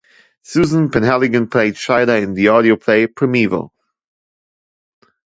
Susan Penhaligon played Shayla in the audio play "Primeval".